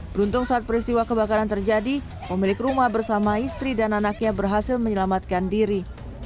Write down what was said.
beruntung saat peristiwa kebakaran terjadi pemilik rumah bersama istri dan anaknya berhasil menyelamatkan diri